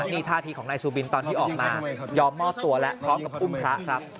นี่ท่าทีของนายซูบินตอนที่ออกมายอมมอบตัวแล้วพร้อมกับอุ้มพระครับ